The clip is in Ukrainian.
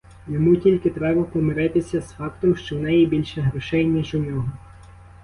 Йому тільки треба помиритися з фактом, що в неї більше грошей, ніж у нього.